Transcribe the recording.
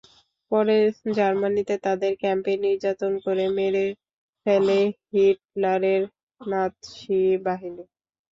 পরে জার্মানিতে তাদের ক্যাম্পে নির্যাতন করে মেরে ফেলে হিটলারের নাৎসি বাহিনী।